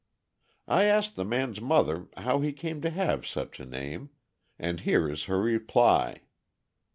I asked the man's mother how he came to have such a name, and here is her reply!